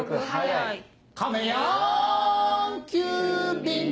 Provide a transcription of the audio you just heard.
はい。